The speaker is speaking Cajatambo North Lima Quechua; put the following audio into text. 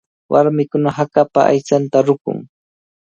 Warmikuna hakapa aychanta ruqun.